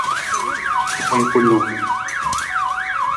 U wii kunung.